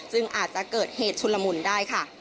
ซึ่งอาจจะเกิดเหตุชุนละมุนได้ค่ะ